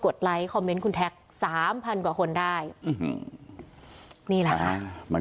ไลค์คอมเมนต์คุณแท็กสามพันกว่าคนได้อืมนี่แหละค่ะมัน